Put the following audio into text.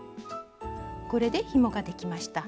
これでひもができました。